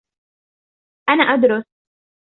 أنا أدرس